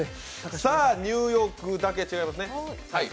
ニューヨークだけ違いますね。